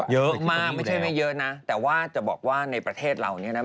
เยอะมากไม่ใช่ไม่เยอะนะแต่ว่าจะบอกว่าในประเทศเราเนี่ยนะ